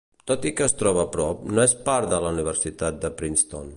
Tot i que es troba a prop, no és part de la Universitat de Princeton.